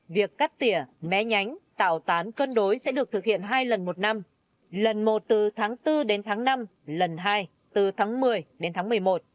việc cắt tỉa mé nhánh tạo tán cân đối sẽ được thực hiện hai lần một năm lần một từ tháng bốn đến tháng năm lần hai từ tháng một mươi đến tháng một mươi một